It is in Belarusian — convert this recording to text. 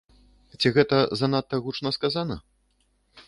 Ці гэта занадта гучна сказана?